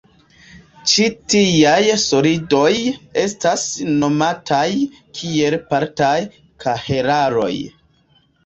Ĉi tiaj "solidoj" estas nomataj kiel partaj kahelaroj.